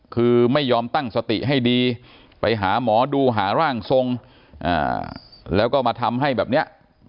คือไม่ยอมตั้งสติให้ดีไปหาหมอดูหาร่างทรงแล้วก็มาทำให้แบบเนี้ย